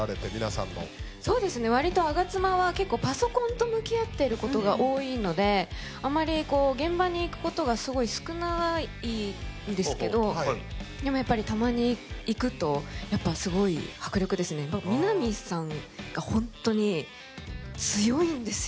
割と吾妻は結構パソコンと向き合ってることが多いのであまりこう現場に行くことがすごい少ないんですけどでもやっぱりたまに行くとやっぱすごい迫力ですね皆実さんがホントに強いんですよ